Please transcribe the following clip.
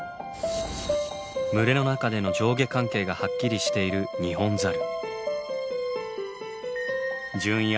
群れの中での上下関係がはっきりしているニホンザル。